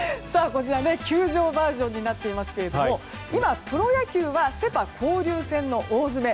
こちら、球場バージョンになっていますけれども今、プロ野球はセ・パ交流戦の大詰め。